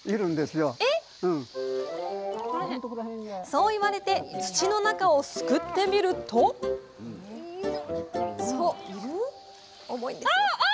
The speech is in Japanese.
そう言われて土の中をすくってみるとあ！